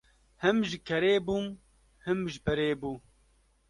Him ji kerê bû him ji perê bû.